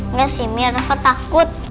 nggak sih mi rafa takut